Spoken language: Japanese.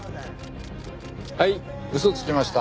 はい嘘つきました。